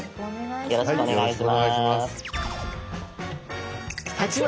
よろしくお願いします。